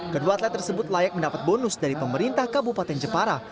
kedua atlet tersebut layak mendapat bonus dari pemerintah kabupaten jepara